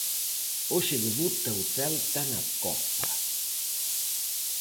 Hoxe debuta o Celta na Copa.